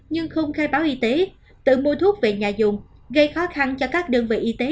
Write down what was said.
nhưng không khai báo y tế tự mua thuốc về nhà dùng gây khó khăn cho các đơn vị y tế